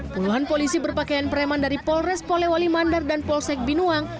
puluhan polisi berpakaian preman dari polres polewali mandar dan polsek binuang